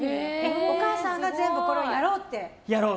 お母さんが全部これをやろうって？